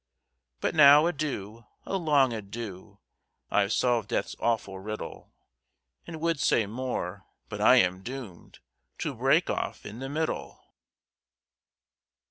"But now, adieu a long adieu! I've solved death's awful riddle, And would say more, but I am doomed To break off in the middle!"